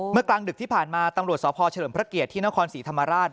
กลางดึกที่ผ่านมาตำรวจสพเฉลิมพระเกียรติที่นครศรีธรรมราช